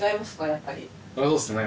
やっぱりあぁそうっすね